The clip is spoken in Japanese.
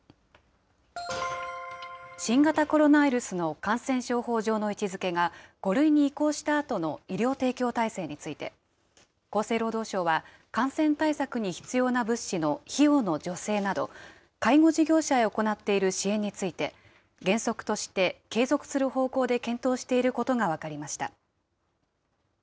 新型コロナウイルスの感染症法上の位置づけが５類に移行したあとの医療提供体制について、厚生労働省は感染対策に必要な物資の費用の助成など、介護事業者へ行っている支援について、原則として継続する方向で検討していることが分かりました。